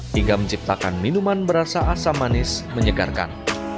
hingga menciptakan minuman berasa asam manis menyegarkan